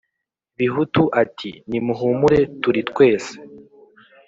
bihutu ati « nimuhumure turi twese,